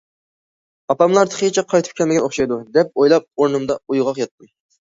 ئاپاملار تېخىچە قايتىپ كەلمىگەن ئوخشايدۇ، دەپ ئويلاپ، ئورنۇمدا ئويغاق ياتتىم.